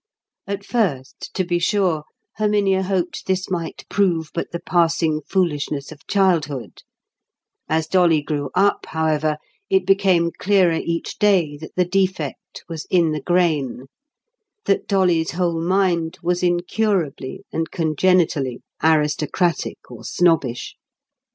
At first, to be sure, Herminia hoped this might prove but the passing foolishness of childhood: as Dolly grew up, however, it became clearer each day that the defect was in the grain—that Dolly's whole mind was incurably and congenitally aristocratic or snobbish.